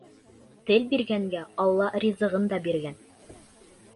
Тел биргәнгә Алла ризығын да биргән.